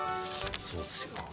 そうですよ。